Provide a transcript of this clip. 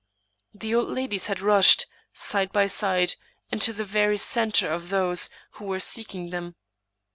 The old ladies had rushed, side by side, into the very center of those who were seeking them.